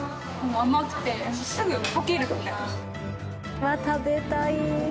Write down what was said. うわっ食べたい。